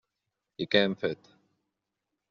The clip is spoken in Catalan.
I què hem fet?